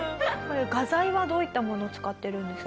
画材はどういったものを使ってるんですか？